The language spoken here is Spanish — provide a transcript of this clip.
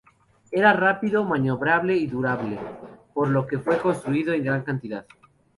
Era rápido, maniobrable y durable, por lo que fue construido en gran cantidad.